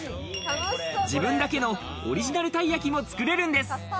自分だけのオリジナルたい焼きも作れるんです。